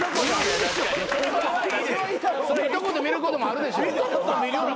いとこと見ることもあるでしょ。